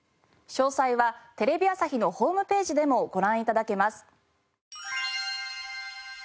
詳細はテレビ朝日のホームページでもご覧頂けます。